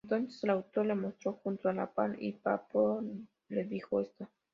Entonces el autor le mostró "Juntos a la par" y Pappo le dijo: "¡Esta!".